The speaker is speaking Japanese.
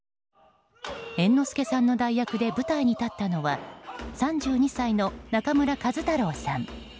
猿之助さんの代役で舞台に立ったのは３２歳の中村壱太郎さん。